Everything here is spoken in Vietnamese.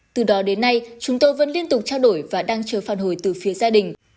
từ đó đến nay chúng tôi vẫn liên tục trao đổi và đang chờ phản hồi từ phía gia đình